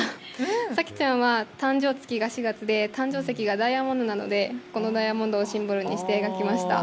さきちゃんは誕生月が４月で誕生石がダイヤモンドなのでこのダイヤモンドをシンボルにして描きました。